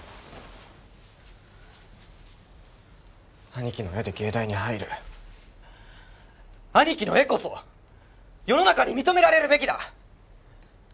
兄貴の絵で藝大に入る兄貴の絵こそ世の中に認められるべきだ！